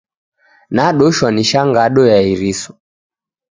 Nadoshwa ni shangagho ya iriso.